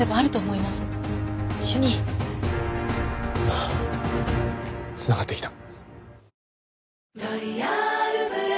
ああ繋がってきた。